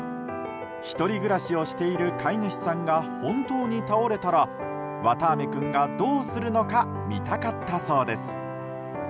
１人暮らしをしている飼い主さんが本当に倒れたらわたあめ君がどうするのか見たかったそうです。